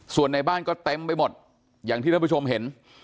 ส่วนในบ้านก็เต็มไปหมดอย่างที่ท่านผู้ชมเห็น